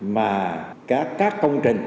mà các công trình